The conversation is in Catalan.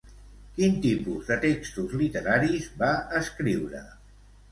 Quin tipus de textos literaris va escriure?